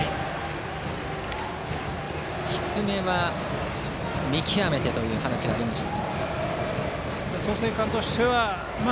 低めは、見極めてという話がありました。